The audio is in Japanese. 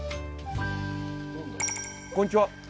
こんにちは。